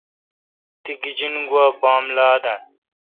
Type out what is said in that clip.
تی گیجین گوا بام لا دہ۔